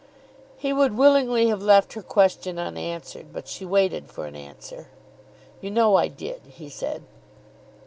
He would willingly have left her question unanswered, but she waited for an answer. "You know I did," he said.